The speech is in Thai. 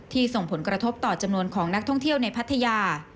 ส่งผลกระทบต่อจำนวนของนักท่องเที่ยวในพัทยา